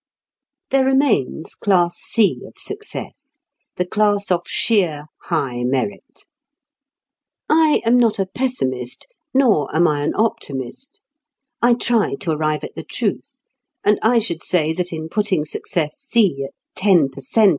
There remains class C of success the class of sheer high merit. I am not a pessimist, nor am I an optimist. I try to arrive at the truth, and I should say that in putting success C at ten per cent.